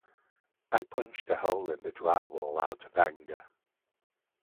I punched a hole in the drywall out of anger.